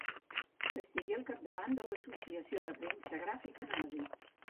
Estigué al capdavant de l'Associació de Premsa Gràfica Nazi.